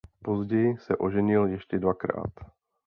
Později se oženil ještě dvakrát.